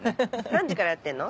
何時からやってんの？